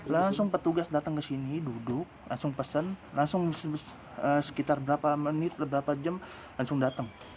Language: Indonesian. langsung petugas datang ke sini duduk langsung pesan langsung sekitar berapa menit beberapa jam langsung datang